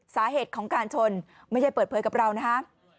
สาเหตุของการชนไม่ใช่เปิดเผยกับเรานะครับ